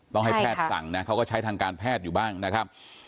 ต้องให้แพทย์สั่งนะเขาก็ใช้ทางการแพทย์อยู่บ้างนะครับ